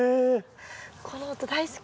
この音大好き。